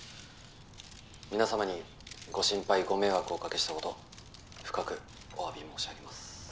皆さまにご心配ご迷惑をおかけしたこと深くお詫び申し上げます。